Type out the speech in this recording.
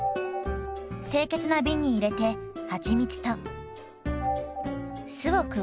清潔な瓶に入れてはちみつと酢を加えます。